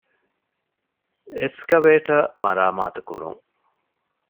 އެސްކަވޭޓަރ މަރާމާތުކުރުން